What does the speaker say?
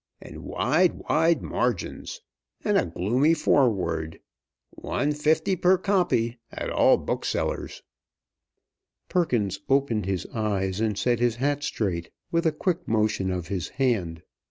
And wide, wide margins. And a gloomy foreword. One fifty per copy, at all booksellers." Perkins opened his eyes and set his hat straight with a quick motion of his hand.